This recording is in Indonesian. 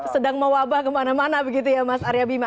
sedang mewabah kemana mana begitu ya mas aryabima